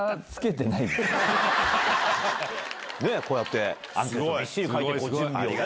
こうやって。